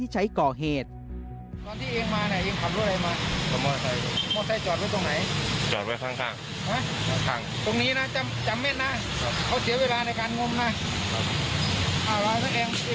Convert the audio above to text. แต่เอองราชจอดแล้วมายังไง